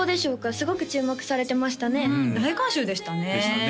すごく注目されてましたね大観衆でしたねでしたね